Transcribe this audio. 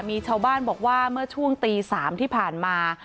มีชาวบ้านบอกว่าเมื่อช่วงตี๓ที่ผ่านมา